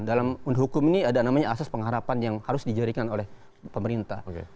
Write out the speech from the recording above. dalam hukum ini ada namanya asas pengharapan yang harus dijadikan oleh pemerintah